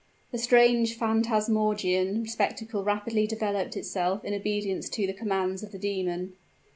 The strange phantasmagorian spectacle rapidly developed itself in obedience to the commands of the demon.